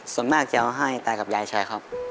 ส่วนมากจะเอาให้ตากับยายใช้ครับ